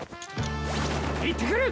行ってくる！